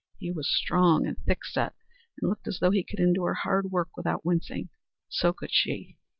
He was strong and thickset, and looked as though he could endure hard work without wincing. So could she.